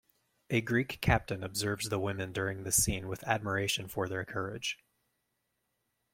A Greek captain observes the women during this scene with admiration for their courage.